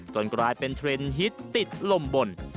กลายเป็นเทรนด์ฮิตติดลมบน